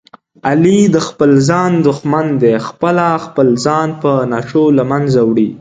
علي د خپل ځان دښمن دی، خپله خپل ځان په نشو له منځه وړي.